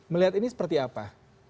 melihat ini seperti apa